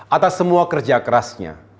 atas semua kerja kerasnya